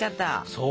そう。